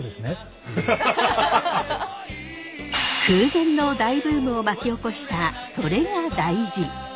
空前の大ブームを巻き起こした「それが大事」。